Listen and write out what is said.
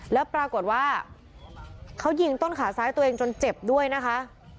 แล้วปรากฏว่าเขายิงต้นขาซ้ายตัวเองจนเจ็บด้วยนะคะ